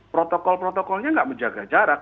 protokol protokolnya nggak menjaga jarak